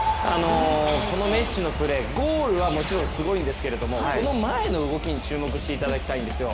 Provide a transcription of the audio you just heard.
このメッシのプレーゴールはもちろんすごいんですけれどもその前の動きに注目していただきたいんですよ。